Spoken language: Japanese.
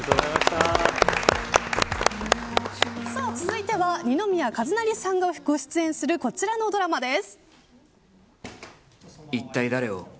続いては二宮和也さんが出演するこちらのドラマです。